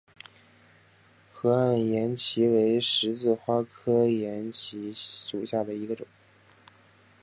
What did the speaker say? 河岸岩荠为十字花科岩荠属下的一个种。